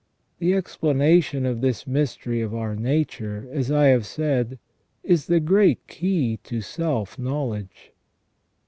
The explanation of this mystery of our nature, as I have said, is the great key to self knowledge.